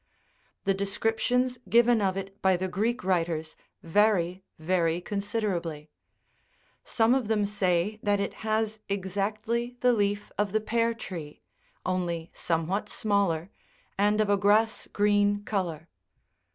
The descriptions given of it by the Greek writers vary very considerably : some of them say that it has exactly the leaf of the pear tree, only somewhat smaller, and of a grass green colour.